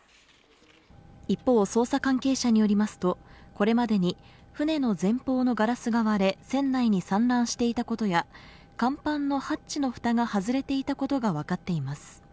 一方、捜査関係者によりますと、これまでに船の前方のガラスが割れ船内に散乱していたことや甲板のハッチの蓋が外れていたことが分かっています。